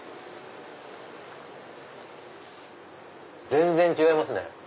全然違いますね。